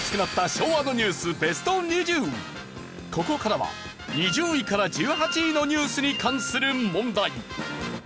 ここからは２０位から１８位のニュースに関する問題。